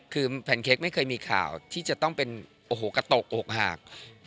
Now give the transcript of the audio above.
คือแพนเค้กไม่เคยมีข่าวที่จะต้องเป็นโอ้โหกระตกอกหาก